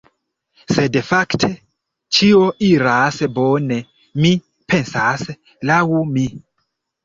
Sed fakte, ĉio iras bone, mi pensas, laŭ mi.